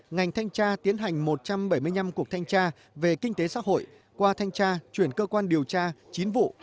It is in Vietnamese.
ngành thanh tra tiến hành một trăm bảy mươi năm cuộc thanh tra về kinh tế xã hội qua thanh tra chuyển cơ quan điều tra chín vụ